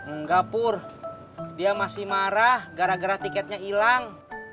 enggak pur dia masih marah gara gara tiketnya hilang